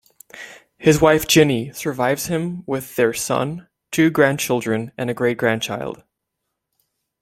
His wife Ginny survives him with their son, two grandchildren and a great grandchild.